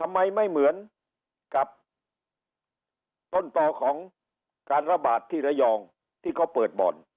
ทำไมไม่เหมือนกับต้นต่อของการระบาดที่ระยองที่เขาเปิดบ่อน